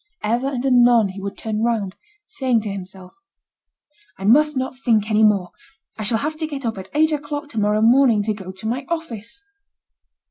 Ever and anon he would turn round, saying to himself: "I must not think any more; I shall have to get up at eight o'clock to morrow morning to go to my office."